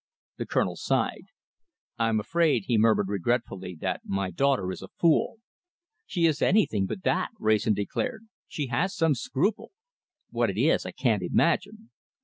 The Colonel sighed. "I'm afraid," he murmured, regretfully, "that my daughter is a fool." "She is anything but that," Wrayson declared. "She has some scruple. What it is I can't imagine.